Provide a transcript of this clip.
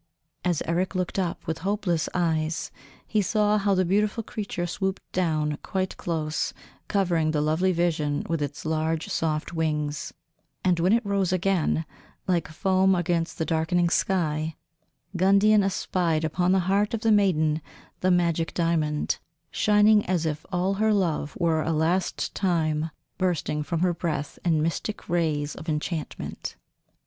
As Eric looked up with hopeless eyes, he saw how the beautiful creature swooped down quite close, covering the lovely vision with its large soft wings; and when it rose again, like foam against the darkening sky, Gundian espied upon the heart of the maiden the magic diamond, shining as if all her love were a last time bursting from her breast in mystic rays of enchantment.